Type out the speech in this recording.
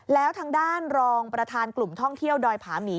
แล้วทางด้านรองประธานกลุ่มท่องเที่ยวดอยผาหมี